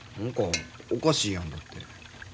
何かおかしいやんだって。